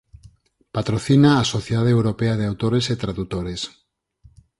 Patrocina a Sociedade Europea de autores e tradutores.